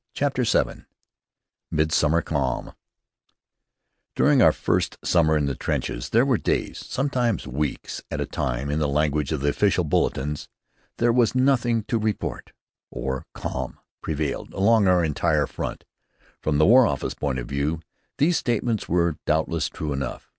CHAPTER VII MIDSUMMER CALM During our first summer in the trenches there were days, sometimes weeks at a time, when, in the language of the official bulletins, there was "nothing to report," or "calm" prevailed "along our entire front." From the War Office point of view these statements were, doubtless, true enough.